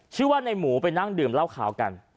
ชื่อว่าในหมูไปนั่งดื่มเหล้าขาวกัน